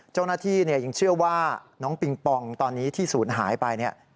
เจ้าหน้าที่ยังเชื่อว่าน้องปิงปองตอนนี้ที่ศูนย์หายไปเนี่ย